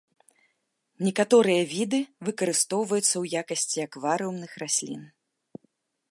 Некаторыя віды выкарыстоўваюцца ў якасці акварыумных раслін.